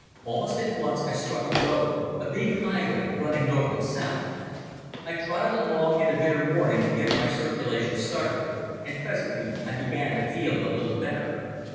Almost at once I struck a road, a big highway running north and south. I trotted along in the bitter morning to get my circulation started, and presently I began to feel a little better.